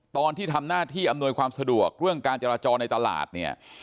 ตอนที่ทำหน้าที่อำนวยความสะดวกเรื่องการจราจรในตลาดเนี่ย